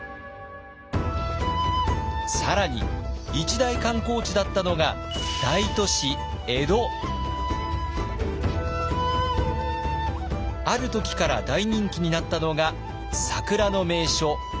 更に一大観光地だったのがある時から大人気になったのが桜の名所飛鳥山。